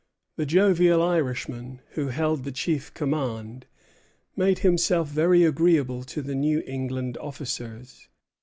The jovial Irishman who held the chief command made himself very agreeable to the New England officers.